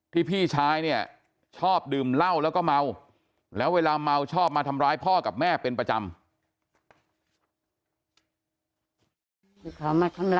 พี่ชายเนี่ยชอบดื่มเหล้าแล้วก็เมาแล้วเวลาเมาชอบมาทำร้ายพ่อกับแม่เป็นประจำ